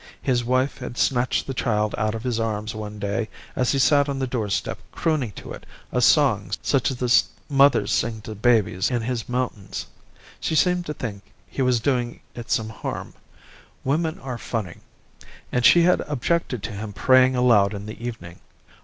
His wife had snatched the child out of his arms one day as he sat on the doorstep crooning to it a song such as the mothers sing to babies in his mountains. She seemed to think he was doing it some harm. Women are funny. And she had objected to him praying aloud in the evening.